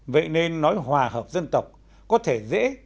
vậy nên nói hòa hợp dân tộc có thể dễ